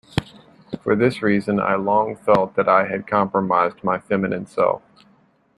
For this reason I long felt that I had compromised my feminine self.